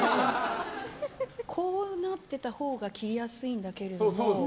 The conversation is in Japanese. こうなってたほうが切りやすいんだけれども。